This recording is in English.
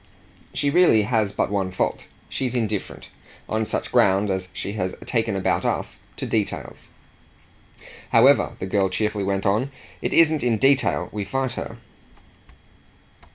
She has really but one fault she's indifferent, on such ground as she has taken about us, to details. However," the girl cheerfully went on, "it isn't in detail we fight her."